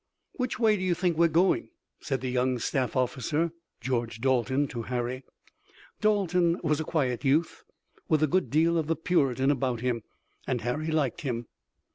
"Which way do you think we're going?" said the young staff officer, George Dalton, to Harry Dalton was a quiet youth with a good deal of the Puritan about him and Harry liked him.